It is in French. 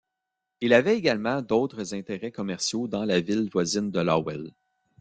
Il avait également d'autres intérêts commerciaux dans la ville voisine de Lowell.